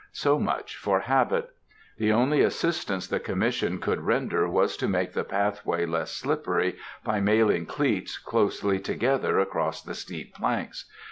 So much for habit. The only assistance the Commission could render was to make the pathway less slippery by nailing cleats closely together across the steep planks.